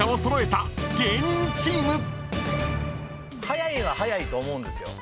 早いんは早いと思うんですよ。